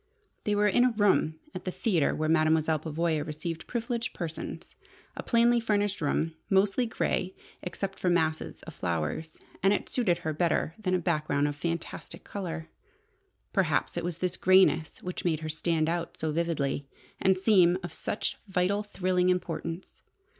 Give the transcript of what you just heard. They were in a room at the theatre where Mademoiselle Pavoya received privileged persons: a plainly furnished room, mostly grey except for masses of flowers, and it suited her better than a background of fantastic colour. Perhaps it was this greyness which made her stand out so vividly, and seem of such vital, thrilling importance.